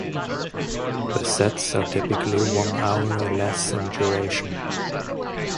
The sets are typically one hour or less in duration.